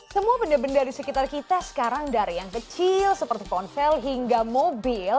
semua benda benda di sekitar kita sekarang dari yang kecil seperti ponsel hingga mobil